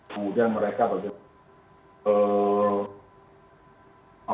kemudian mereka bagaimana